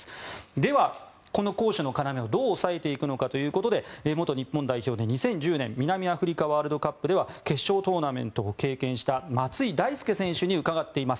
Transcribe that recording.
では、この攻守の要をどう抑えていくのかということで元日本代表で、２０１０年南アフリカワールドカップでは決勝トーナメントを経験した松井大輔選手に伺っています。